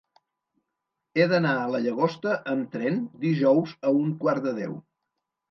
He d'anar a la Llagosta amb tren dijous a un quart de deu.